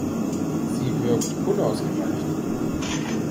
Sie wirkt unausgereift.